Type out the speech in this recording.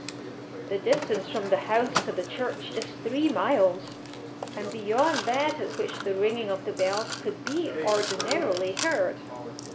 The distance from the house to the church is three miles, and beyond that at which the ringing of the bells could be ordinarily heard.